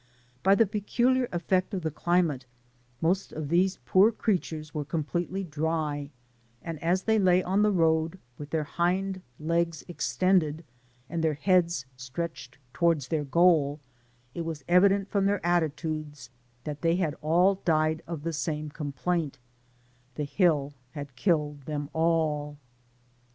By the peculiar effect of the climate, most of these poor creatures were completely dry; and as they lay on the road with their hind legs extended, and their heads stretched towards their goal, it was evident from their attitudes that they had all died of the sanie complaint — the hill had killed them all.